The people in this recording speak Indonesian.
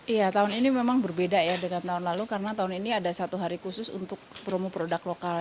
iya tahun ini memang berbeda ya dengan tahun lalu karena tahun ini ada satu hari khusus untuk promo produk lokal